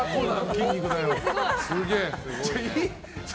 すげえ。